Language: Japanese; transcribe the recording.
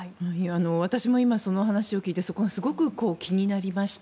私も今、その話を聞いてそこがすごく気になりました。